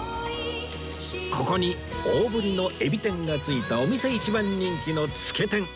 ここに大ぶりのエビ天がついたお店一番人気のつけ天